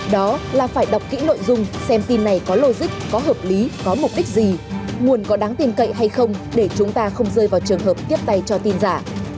đó là phải đọc kỹ nội dung xem tin này có logic có hợp lý có mục đích gì nguồn có đáng tin cậy hay không để chúng ta không rơi vào trường hợp tiếp tay cho tin giả